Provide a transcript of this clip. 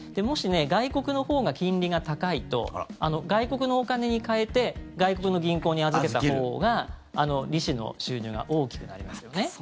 もし、外国のほうが金利が高いと外国のお金に替えて外国の銀行に預けたほうが利子の収入が大きくなりますよね。